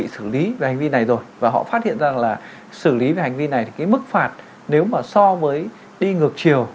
xử lý về hành vi này rồi và họ phát hiện ra là xử lý về hành vi này thì cái mức phạt nếu mà so với đi ngược chiều